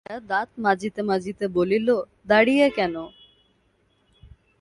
জয়া দাত মাজিতে মাজিতে বলিল, দাড়িয়ে কেন?